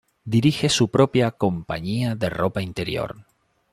Dirige su propia compañía de ropa interior.